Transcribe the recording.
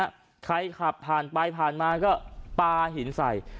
ตรงนั้นนะฮะใครขับผ่านไปผ่านมาก็ปาหินใส